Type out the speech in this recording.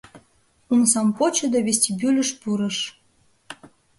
Омсам почо да вестибюльыш пурыш.